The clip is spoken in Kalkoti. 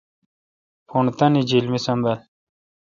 پݨ تانی جیل مے°سنبل۔